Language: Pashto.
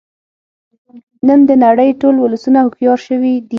نن د نړۍ ټول ولسونه هوښیار شوی دی